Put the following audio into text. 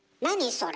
それ。